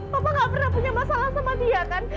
papa gak pernah punya masalah sama dia kan